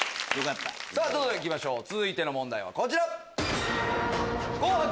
どんどん行きましょう続いての問題はこちら！